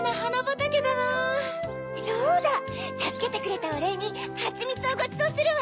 たすけてくれたおれいにハチミツをごちそうするわ。